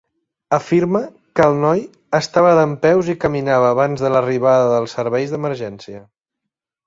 Afirma que el noi estava dempeus i caminava abans de l'arribada dels serveis d'emergència.